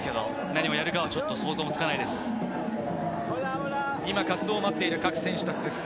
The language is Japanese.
何をやるかは想像つかないです。